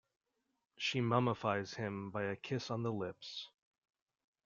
She mummifies him by a kiss on the lips.